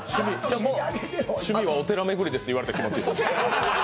趣味はお寺巡りですって言われた気持ち。